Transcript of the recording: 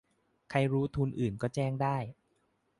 ใครรู้ทุนอื่นก็แจ้งได้